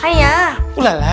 sakitnya tuh dimana